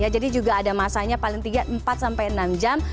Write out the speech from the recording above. jadi juga ada masanya paling tiga empat sampai enam jam